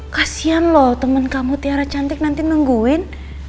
kasian loh temen kamu tiara cantik nanti nungguin